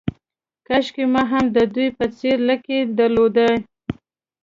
کاشکې ما هم د دوی په څېر لکۍ درلودای.